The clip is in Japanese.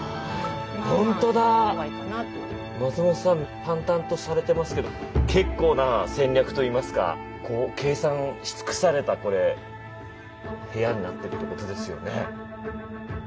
淡々とされてますけど結構な戦略といいますかこう計算し尽くされたこれ部屋になってるってことですね。